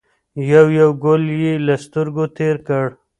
یو یو ګل یې له سترګو تېر کړ.